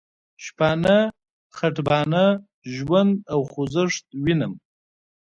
شپانه، خټبانه، ژوند او خوځښت وینم.